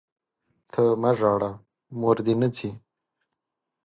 ته مه ژاړه ، موردي نه ځي!